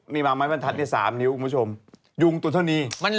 มันถัดอย่าง๓นิ้วยุงตัวเท่านี้